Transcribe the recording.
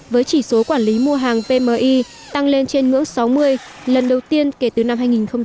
với chỉ số quản lý mua hàng pmi tăng lên trên ngưỡng sáu mươi lần đầu tiên kể từ năm hai nghìn một mươi